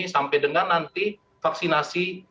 sampai dengan nanti vaksinasi